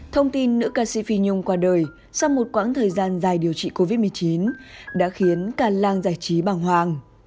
thông tin nữ ca sĩ phi nhung qua đời sau một quãng thời gian dài điều trị covid một mươi chín đã khiến cả lan giải trí bằng hoàng